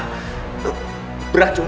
kulitku memang beracun